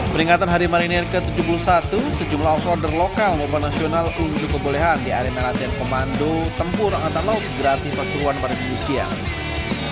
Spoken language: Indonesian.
peringatan hari marinir ke tujuh puluh satu sejumlah off roader lokal momen nasional unjuk kebolehan di arena latihan komando tempur angkatan laut gratis pasuruan pada minggu siang